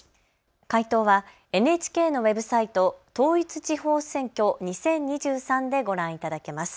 回答はＮＨＫのＷＥＢサイト、統一地方選挙２０２３でご覧いただけます。